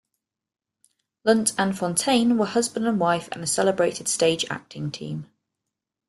Lunt and Fontanne were husband and wife and a celebrated stage acting team.